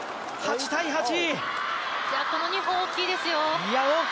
この２本、大きいですよ。